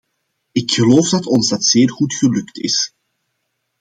Ik geloof dat ons dat zeer goed gelukt is.